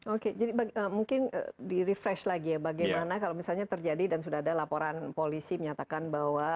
oke jadi mungkin di refresh lagi ya bagaimana kalau misalnya terjadi dan sudah ada laporan polisi menyatakan bahwa